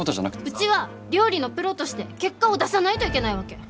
うちは料理のプロとして結果を出さないといけないわけ。